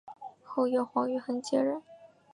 后由黄玉衡接任。